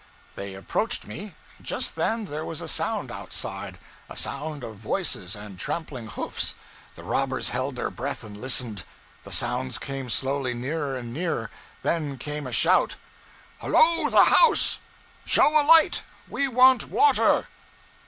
They approached me; just then there was a sound outside; a sound of voices and trampling hoofs; the robbers held their breath and listened; the sounds came slowly nearer and nearer; then came a shout 'Hello, the house! Show a light, we want water.'